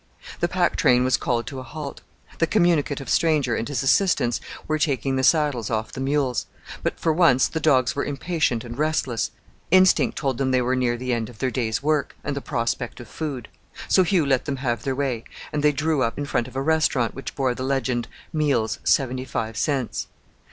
The pack train was called to a halt. The communicative stranger and his assistants were taking the saddles off the mules; but for once the dogs were impatient and restless: instinct told them they were near the end of their day's work and the prospect of food. So Hugh let them have their way, and they drew up in front of a restaurant which bore the legend, "Meals, seventy five cents."